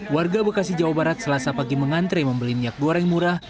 warga bekasi jawa barat selasa pagi mengantre membeli minyak goreng murah